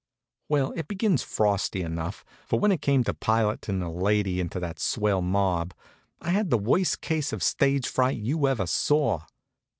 Well, it began frosty enough; for when it came to pilotin' a lady into that swell mob, I had the worst case of stage fright you ever saw.